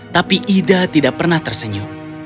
tapi ida tidak pernah tersenyum